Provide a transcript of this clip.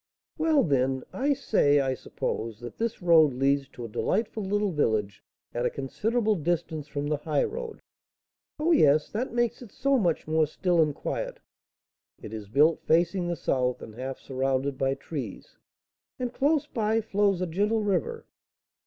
"Well, then, I say, I suppose that this road leads to a delightful little village, at a considerable distance from the highroad " "Oh, yes; that makes it so much more still and quiet!" "It is built facing the south, and half surrounded by trees " "And close by flows a gentle river."